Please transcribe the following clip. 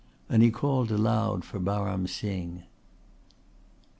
And he called aloud for Baram Singh.